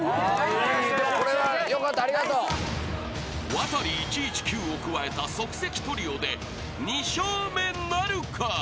［ワタリ１１９を加えた即席トリオで２笑目なるか？］